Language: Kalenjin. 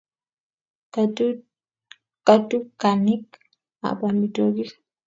Katukanik ab amitwokik